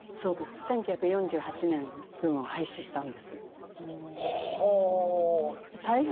１９４８年軍を廃止したんです。